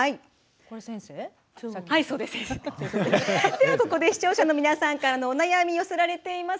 ではここで視聴者の皆さんからのお悩み寄せられています。